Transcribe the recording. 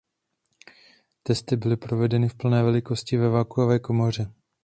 Testy byly provedeny v plné velikosti ve vakuové komoře.